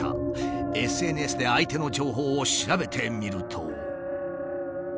ＳＮＳで相手の情報を調べてみると。